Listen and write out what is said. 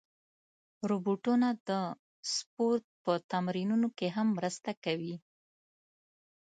روبوټونه د سپورت په تمرینونو کې هم مرسته کوي.